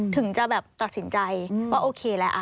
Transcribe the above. ถึงจะแบบตัดสินใจว่าโอเคแล้ว